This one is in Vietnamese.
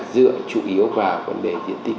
dựa chủ yếu vào vấn đề diện tích